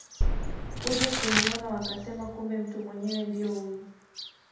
kuja kuniona wakasema kumbe mtu mwenyewe ndio huyu